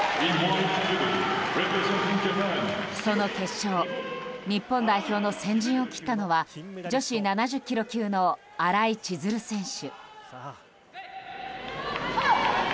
その決勝日本代表の先陣を切ったのは女子７０ｋｇ級の新井千鶴選手。